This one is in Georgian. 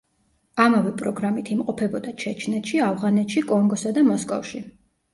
ამავე პროგრამით იმყოფებოდა ჩეჩნეთში, ავღანეთში, კონგოსა და მოსკოვში.